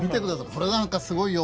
これなんかすごいよ。